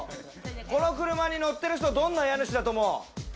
この車に乗ってる人、どんな家主だと思う？